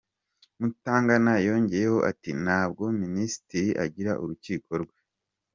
Mutangana yongeyeho ati “Ntabwo minisitiri agira urukiko rwe.